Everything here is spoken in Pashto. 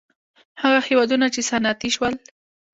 هغه هېوادونه چې صنعتي شول.